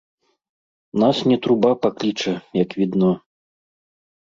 Нас не труба пакліча, як відно.